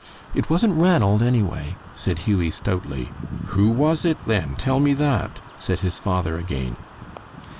"It wasn't Ranald, anyway," said Hughie, stoutly. "Who was it, then? Tell me that," said his father again.